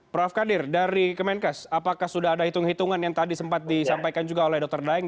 prof kadir dari kemenkes apakah sudah ada hitung hitungan yang tadi sempat disampaikan juga oleh dr daeng